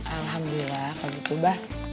alhamdulillah kalau gitu ba